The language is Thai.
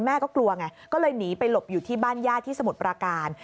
ก็กลัวไงก็เลยหนีไปหลบอยู่ที่บ้านญาติที่สมุทรปราการ